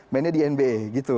mainnya di nba gitu